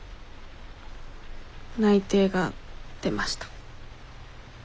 内定が出ました。